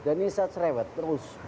dan ini saya cerewet terus